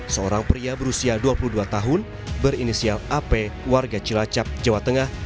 seorang pria berusia dua puluh dua tahun berinisial ap warga cilacap jawa tengah